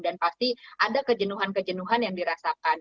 dan pasti ada kejenuhan kejenuhan yang dirasakan